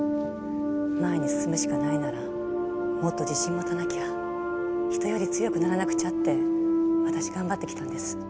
前に進むしかないならもっと自信持たなきゃ人より強くならなくちゃって私頑張ってきたんです。